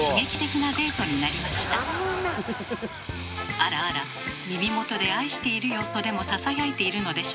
あらあら耳元で「愛してるよ」とでもささやいているのでしょうか